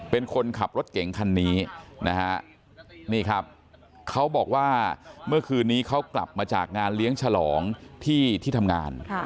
เป็นคนขับรถเก่งคันนี้นะฮะนี่ครับเขาบอกว่าเมื่อคืนนี้เขากลับมาจากงานเลี้ยงฉลองที่ที่ทำงาน